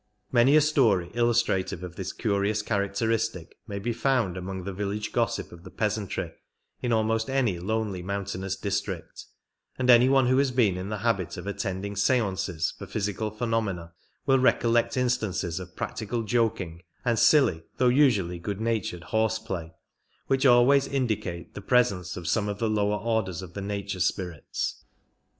Many a story illustrative of this curious characteristic may be found among the village gossip of the peasantry in almost any lonely mountainous district, and any one who has been in the habit of attending stances for physical phenomena will recollect instances of practical joking and silly though usually good natured horseplay, which always indicate the presence of 6o some of the lower orders of the nature spirits.